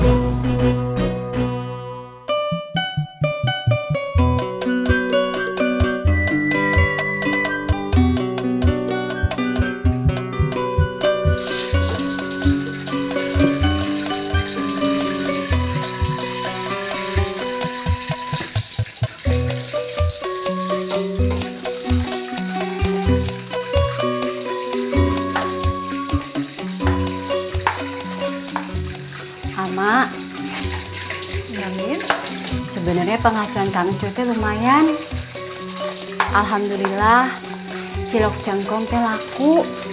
sama sama sebenarnya penghasilan tangcutnya lumayan alhamdulillah cilok jengkong telaku